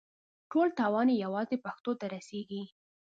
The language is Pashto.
ټول تاوان یې یوازې پښتنو ته رسېږي.